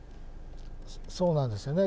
そうなんですよね。